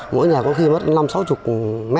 mỗi nhà có khi mất năm sáu mươi m